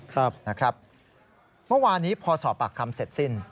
ครับนะครับวันนี้พอสอบปากคำเสร็จสิ้น